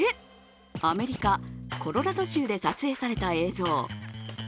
アメリカ・コロラド州で撮影された映像。